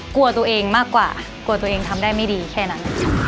กลัวตัวเองมากกว่ากลัวตัวเองทำได้ไม่ดีแค่นั้น